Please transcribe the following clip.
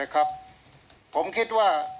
อารมณ์ยา